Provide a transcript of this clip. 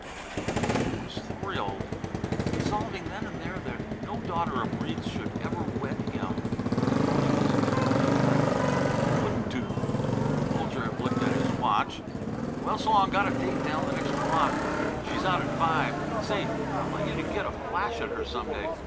Again Bean was thrilled, resolving then and there that no daughter of Breede's should ever wed him. Bulger was entirely right. It wouldn't do. Bulger looked at his watch. "Well, s'long; got a date down in the next block. She's out at five. Say, I want you to get a flash at her some day.